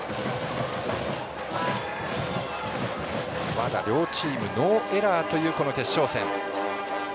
まだ両チームノーエラーというこの決勝戦。